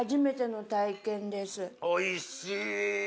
おいしい！